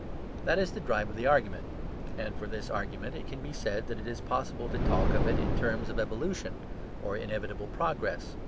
That is the drive of the argument. And for this argument it can be said that it is possible to talk of it in terms of evolution or inevitable progress.